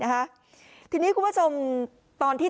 กลุ่มตัวเชียงใหม่